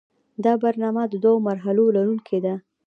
دا برنامه د دوو مرحلو لرونکې ده.